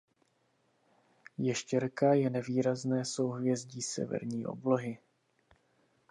Ještěrka je nevýrazné souhvězdí severní oblohy.